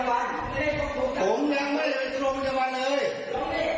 ก็แค่เปิดให้เขาทำให้ถูกกล้องเป็นอะไรวะ